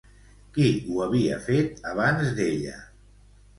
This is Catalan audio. Qui ho havia fet abans d'ella?